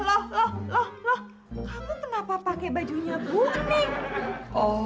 kamu kenapa pake bajunya buning